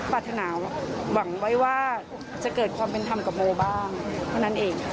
ปรารถนาหวังไว้ว่าจะเกิดความเป็นธรรมกับโมบ้างเท่านั้นเองค่ะ